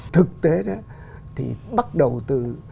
thực tế đó thì bắt đầu từ